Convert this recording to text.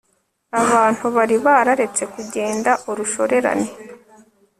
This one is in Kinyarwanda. abantu bari bararetse kugenda urushorerane